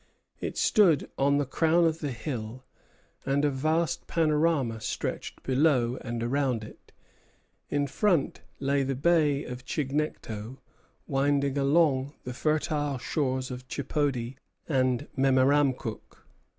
It stood on the crown of the hill, and a vast panorama stretched below and around it. In front lay the Bay of Chignecto, winding along the fertile shores of Chipody and Memeramcook.